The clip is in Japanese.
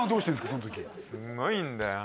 その時すごいんだよ